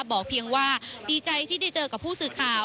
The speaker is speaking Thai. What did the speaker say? บอกเพียงว่าดีใจที่ได้เจอกับผู้สื่อข่าว